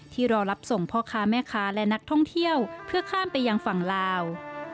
รอรับส่งพ่อค้าแม่ค้าและนักท่องเที่ยวเพื่อข้ามไปยังฝั่งลาว